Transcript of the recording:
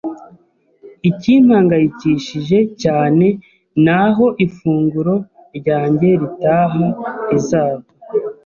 Ikimpangayikishije cyane ni aho ifunguro ryanjye ritaha rizava